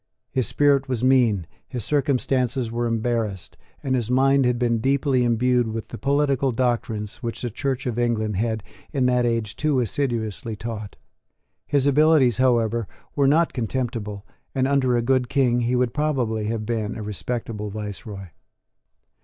His spirit was mean; his circumstances were embarrassed; and his mind had been deeply imbued with the political doctrines which the Church of England had in that age too assiduously taught. His abilities, however, were not contemptible; and, under a good King, he would probably have been a respectable viceroy.